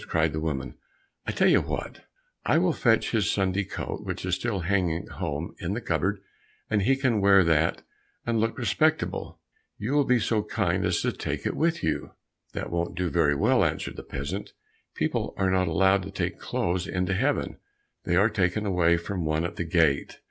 cried the woman, "I tell you what, I will fetch his Sunday coat which is still hanging at home in the cupboard, he can wear that and look respectable. You will be so kind as to take it with you." "That won't do very well," answered the peasant; "people are not allowed to take clothes into Heaven, they are taken away from one at the gate."